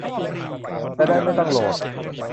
จะได้ไม่ต้องโหลด